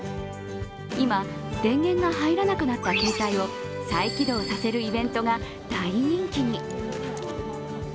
今、電源が入らなくなったケータイを再起動させるイベントが大人気に。